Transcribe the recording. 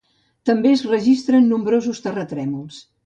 També es registren nombrosos terratrèmols.